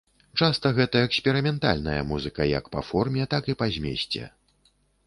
Часта гэта эксперыментальная музыка, як па форме, так і па змесце.